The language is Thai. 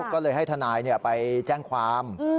ก็เลยให้ทนายไปแจ้งความ